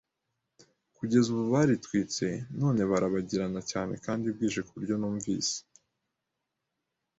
kugeza ubu baritwitse none barabagirana cyane kandi bwije kuburyo numvise